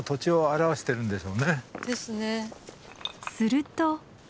すると。